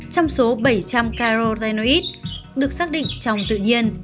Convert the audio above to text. trong số bảy trăm linh carolinoid được xác định trong tự nhiên